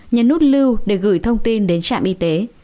nhấn nút lưu để gửi thông tin đến trạm y tế